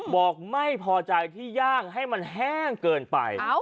บอกไม่พอใจที่ย่างให้มันแห้งเกินไป